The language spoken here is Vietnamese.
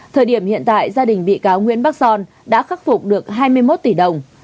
thời điểm hiện tại gia đình bị cáo nguyễn bắc son đã khắc phục được hai mươi một tỷ đồng